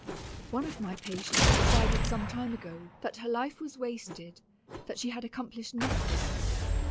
One of my patients decided some time ago that her life was wasted, that she had accomplished nothing.